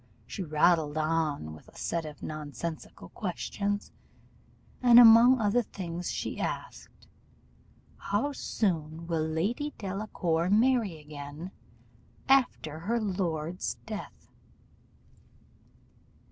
She rattled on with a set of nonsensical questions; and among other things she asked, 'How soon will Lady Delacour marry again after her lord's death?